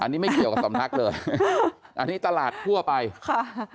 อันนี้ไม่เกี่ยวกับสำนักเลยอันนี้ตลาดทั่วไปค่ะ